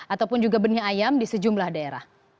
ataupun juga benih ayam di sejumlah daerah